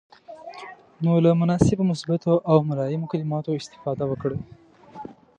نو له مناسبو، مثبتو او ملایمو کلماتو استفاده وکړئ.